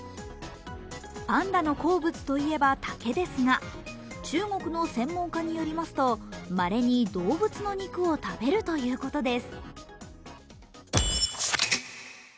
パンダの好物といえば、竹ですが、中国の専門家によりますと、まれに動物の肉を食べるということです。